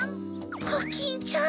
コキンちゃん！